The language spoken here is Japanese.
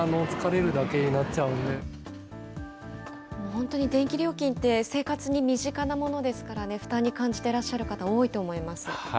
本当に電気料金って、生活に身近なものですからね、負担に感じてらっしゃる方、多いと思います。